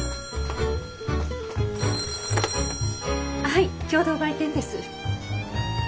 ☎はい共同売店です。